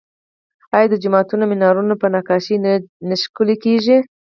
آیا د جوماتونو مینارونه په نقاشۍ نه ښکلي کیږي؟